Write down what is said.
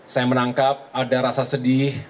saya menangkap ada rasa sedih